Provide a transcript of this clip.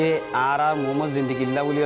saya mau hidup di rakhine